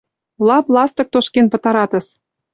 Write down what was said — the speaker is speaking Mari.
«Лап-ластык тошкен пытаратыс.